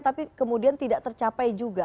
tapi kemudian tidak tercapai juga